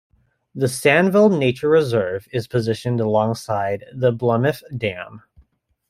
The Sandveld Nature Reserve is positioned alongside the Bloemhof Dam.